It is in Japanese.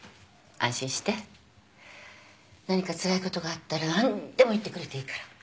何かつらいことがあったら何でも言ってくれていいから。